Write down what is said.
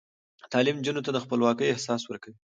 تعلیم نجونو ته د خپلواکۍ احساس ورکوي.